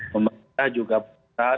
pemerintah juga berusaha